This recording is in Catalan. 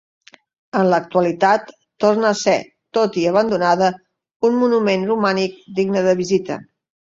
En l'actualitat torna a ser, tot i abandonada, un monument romànic digne de visita.